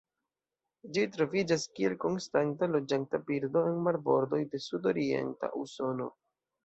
Ĝi troviĝas kiel konstanta loĝanta birdo en marbordoj de sudorienta Usono.